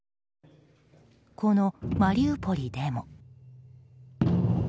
このマリウポリでも。